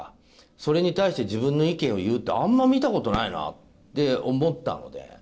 それに対して自分の意見を言うってあんま見た事ないなって思ったので。